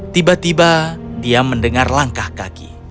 tiba tiba dia mendengar langkah kaki